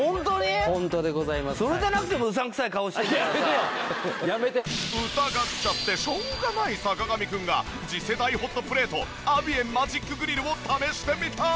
それでなくても疑っちゃってしょうがない坂上くんが次世代ホットプレートアビエンマジックグリルを試してみた！